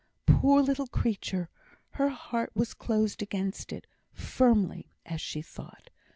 Poor little creature! her heart was closed against it firmly, as she thought.